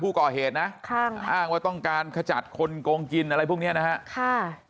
ผู้ก่อเหตุนะอ้างว่าต้องการขจัดคนโกงกินอะไรพวกนี้นะฮะ